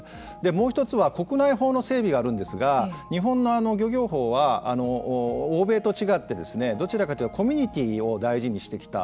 もう一つは、国内法の整備があるんですが日本の漁業法は欧米と違ってどちらかというとコミュニティーを大事にしてきた。